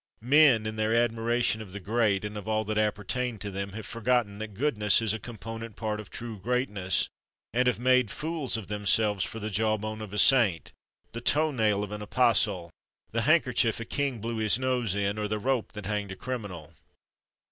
Men, in their admiration of the great, and of all that appertained to them, have forgotten that goodness is a component part of true greatness, and have made fools of themselves for the jawbone of a saint, the toe nail of an apostle, the handkerchief a king blew his nose in, or the rope that hanged a criminal.